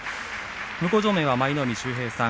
向正面は舞の海秀平さん。